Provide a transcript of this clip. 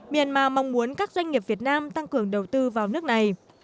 myanmar mong muốn các doanh nghiệp việt nam tăng cường đầu tư vào nước này